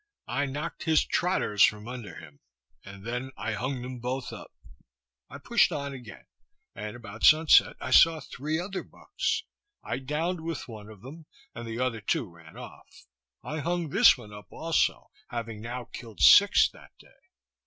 I knock'd his trotters from under him, and then I hung them both up. I pushed on again; and about sunset I saw three other bucks. I down'd with one of them, and the other two ran off. I hung this one up also, having now killed six that day.